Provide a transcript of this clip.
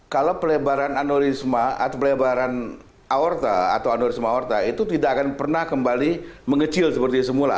kalau pelebaran anorisma atau pelebaran aorta atau anorisma orta itu tidak akan pernah kembali mengecil seperti semula